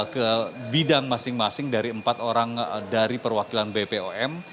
ke bidang masing masing dari empat orang dari perwakilan bpom